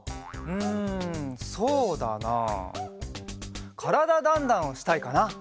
うんそうだなあ「からだ☆ダンダン」をしたいかな。